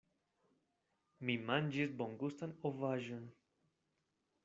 Mi manĝis bongustan ovaĵon.